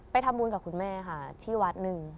ทำบุญกับคุณแม่ค่ะที่วัดหนึ่ง